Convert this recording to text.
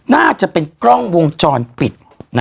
น่าจะเป็นกล้องวงจรปิด